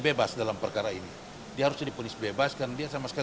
dan usul pertama yang harus dibutuhkan adalah